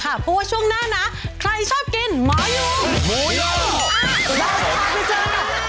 เพราะว่าช่วงหน้านะใครชอบกินหมายุงหมูยาว